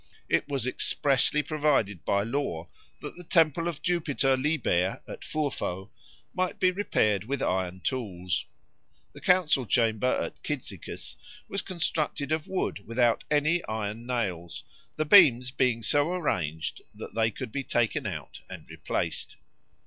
It was expressly provided by law that the temple of Jupiter Liber at Furfo might be repaired with iron tools. The council chamber at Cyzicus was constructed of wood without any iron nails, the beams being so arranged that they could be taken out and replaced.